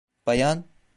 Bayan?